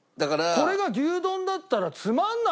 これが牛丼だったらつまんないのよ。